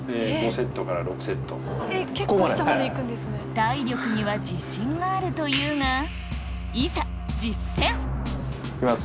体力には自信があるというが行きます。